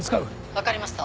分かりました。